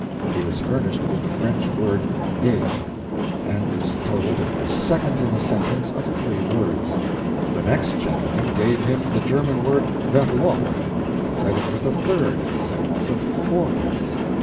He was furnished with the French word 'est', and was told it was second in a sentence of three words. The next gentleman gave him the German word 'verloren' and said it was the third in a sentence of four words.